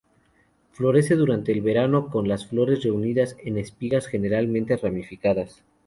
Florece durante el verano con las flores reunidas en espigas generalmente ramificadas.